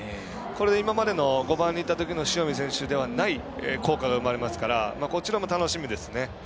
これで今までの５番にいたときの塩見選手ではない効果が生まれますからこちらも楽しみですね。